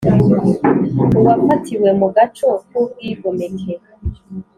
uwafatiwe mu gaco k ubwigomeke